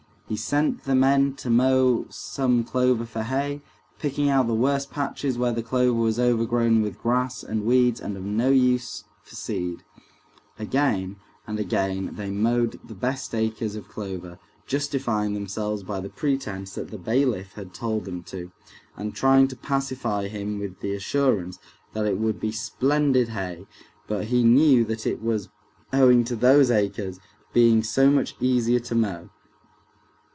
He sent the men to mow some clover for hay, picking out the worst patches where the clover was overgrown with grass and weeds and of no use for seed; again and again they mowed the best acres of clover, justifying themselves by the pretense that the bailiff had told them to, and trying to pacify him with the assurance that it would be splendid hay; but he knew that it was owing to those acres being so much easier to mow.